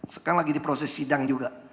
sekarang lagi di proses sidang juga